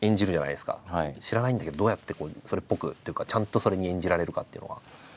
知らないんだけどどうやってそれっぽくっていうかちゃんとそれに演じられるかっていうのは。